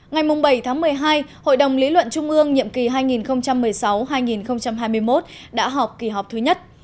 ngày bảy tháng một mươi hai hội đồng lý luận trung ương nhiệm kỳ hai nghìn một mươi sáu hai nghìn hai mươi một đã họp kỳ họp thứ nhất